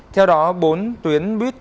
theo đó bốn tuyến buýt